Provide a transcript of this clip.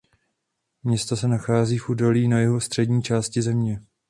Město se nachází v údolí na jihu střední části země.